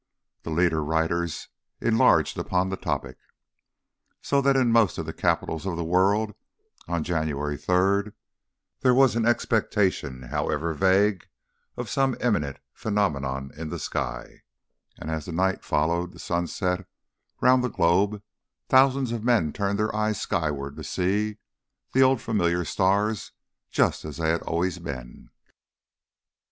The leader writers enlarged upon the topic. So that in most of the capitals of the world, on January 3rd, there was an expectation, however vague of some imminent phenomenon in the sky; and as the night followed the sunset round the globe, thousands of men turned their eyes skyward to see the old familiar stars just as they had always been.